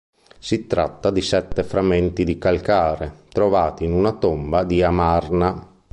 Si tratta di sette frammenti di calcare, trovati in una tomba di Amarna.